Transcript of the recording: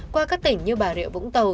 qua các tỉnh như bà rịa vũng tàu